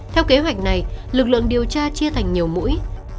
theo kế hoạch này lực lượng điều tra chia thành nhiều mũi